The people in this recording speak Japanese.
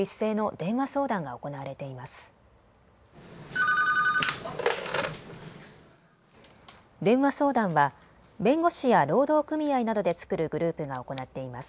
電話相談は弁護士や労働組合などで作るグループが行っています。